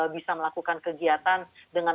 bisa melakukan kegiatan dengan